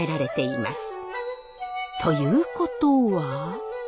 ということは。